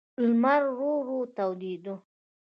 لمر ورو ورو تودېده.